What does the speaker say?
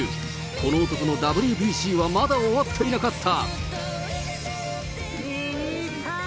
この男のＷＢＣはまだ終わっていなかった。